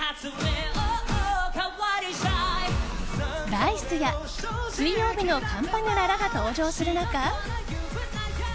Ｄａ‐ｉＣＥや水曜日のカンパネラらが登場する中